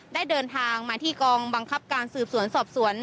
ได้เดินทางมาที่กองบังคับการสืบสวนสอบสวน